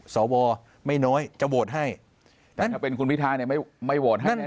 สวไม่น้อยจะโหวตให้แต่ถ้าเป็นคุณพิทาเนี่ยไม่โหวตให้เนี่ย